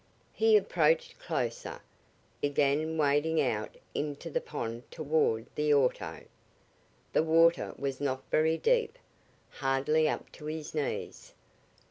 He approached closer, began wading out into the pond toward the auto. The water was not very deep, hardly up to his knees.